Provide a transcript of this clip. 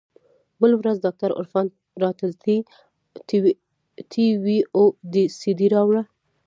بله ورځ ډاکتر عرفان راته ټي وي او سي ډي راوړه.